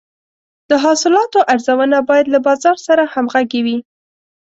د حاصلاتو ارزونه باید له بازار سره همغږې وي.